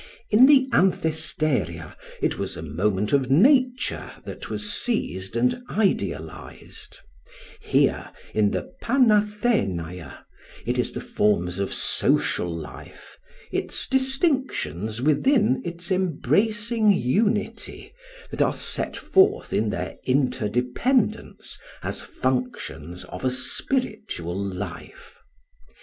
In the Anthesteria it was a moment of nature that was seized and idealized; here, in the Panathenaea, it is the forms of social life, its distinctions within its embracing unity, that are set forth in their interdependence as functions of a spiritual life.